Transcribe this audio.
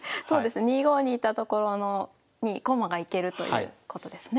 ２五に居た所に駒が行けるということですね。